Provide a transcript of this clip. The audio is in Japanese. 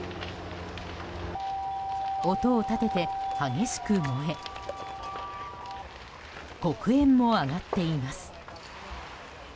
音を立てて激しく燃え黒煙も上がっています。